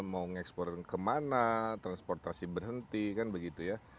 mau ngekspor kemana transportasi berhenti kan begitu ya